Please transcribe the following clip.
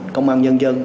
công an nhân dân